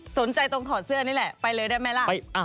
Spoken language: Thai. ตรงถอดเสื้อนี่แหละไปเลยได้ไหมล่ะ